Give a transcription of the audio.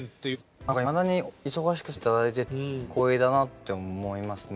何かいまだに忙しくさせて頂いてて光栄だなって思いますね。